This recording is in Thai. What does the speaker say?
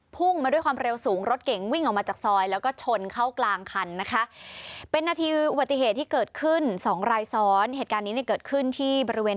หูมาด้วยความเร็วสูงรถเก๋งวิ่งออกมาจากซอยแล้วก็ต้นเข้ากลางคันนะคะเป็นนาทีวัตถิเศษที่เกิดขึ้นสองลายซ้อนเหตุการณ์นี้สิ่งที่เกิดขึ้นที่บริเวณ